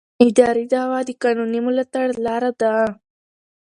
اداري دعوه د قانوني ملاتړ لاره ده.